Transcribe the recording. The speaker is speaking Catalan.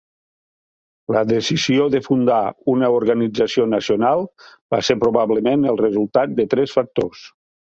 La decisió de fundar una organització nacional va ser probablement el resultat de tres factors.